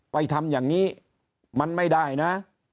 ไปทำอย่างนี้มันไม่ได้นะ